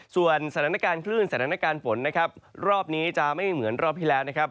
ส่วนสถานการณ์คลื่นสถานการณ์ฝนนะครับรอบนี้จะไม่เหมือนรอบที่แล้วนะครับ